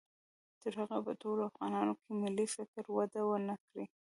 تر هغو چې په ټولو افغانانو کې ملي فکر وده و نه کړي